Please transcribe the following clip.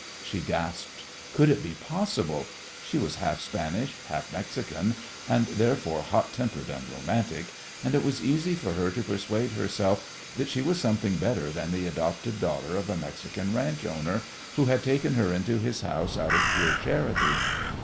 She gasped. Could it be possible? She was half Spanish, half Mexican, and therefore hot tempered and romantic, and it was easy for her to persuade herself that she was something better than the adopted daughter of a Mexican ranch owner, who had taken her into his house out of pure charity.